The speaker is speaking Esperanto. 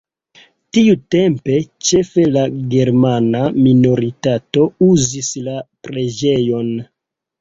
Tiutempe ĉefe la germana minoritato uzis la preĝejon.